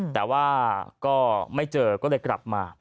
แต่ว่าก็ไม่เจอก็เลยกลับมา